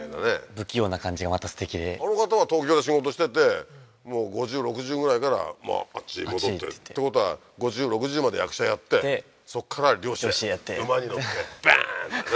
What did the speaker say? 不器用な感じがまたすてきであの方は東京で仕事してて５０６０ぐらいからあっちへ戻ってってことは５０６０まで役者やってそこから猟師猟師やって馬に乗ってバーンとね